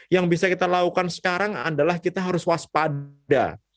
yang bisa kita lakukan sekarang adalah kita harus waspada